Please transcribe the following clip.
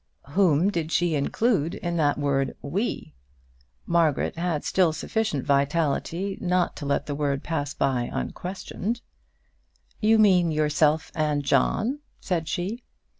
Whom did she include in that word "we"? Margaret had still sufficient vitality not to let the word pass by unquestioned. "You mean yourself and John?" said she.